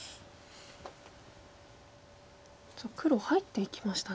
さあ黒入っていきましたね。